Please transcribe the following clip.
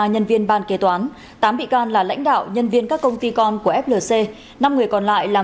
ba nhân viên ban kế toán tám bị can là lãnh đạo nhân viên các công ty con của flc năm người còn lại là